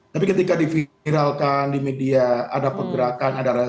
tapi ketika diviralkan di media ada pergerakan ada rasa